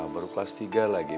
baru kelas tiga lagi